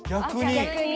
逆に。